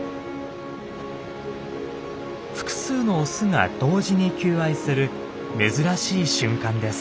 複数のオスが同時に求愛する珍しい瞬間です。